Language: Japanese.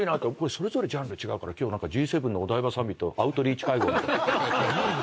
それぞれジャンル違うから今日Ｇ７のお台場サミットアウトリーチ会合みたい。